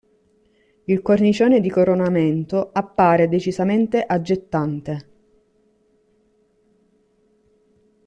Il cornicione di coronamento appare decisamente aggettante.